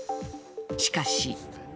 しかし。